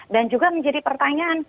dan juga menjadi pertanyaan